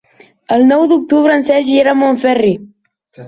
El nou d'octubre en Sergi irà a Montferri.